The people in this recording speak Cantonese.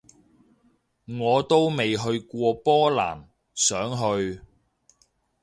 我都未去過波蘭，想去